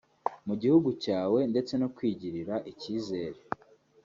mu gihugu cyawe ndetse no kwigirira icyizere